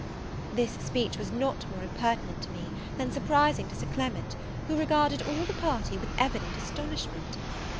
This speech was not more impertinent to me, than surprising to Sir Clement, who regarded all the party with evident astonishment.